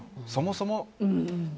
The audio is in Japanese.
そもそも。